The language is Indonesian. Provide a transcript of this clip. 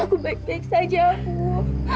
aku baik baik saja